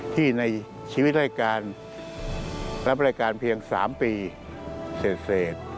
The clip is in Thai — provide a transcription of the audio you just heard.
ที่ในชีวิตรายการรับรายการเพียงสามปีเศษ